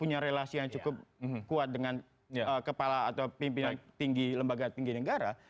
punya relasi yang cukup kuat dengan kepala atau pimpinan tinggi lembaga tinggi negara